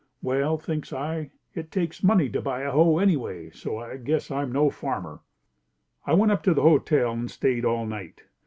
Well, thinks I, it takes money to buy a hoe anyway, so I guess I'm no farmer. I went up to the hotel and stayed all night.